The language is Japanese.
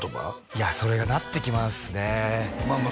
いやそれがなってきますねまあまあ